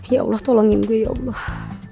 ya allah tolongin gue ya allah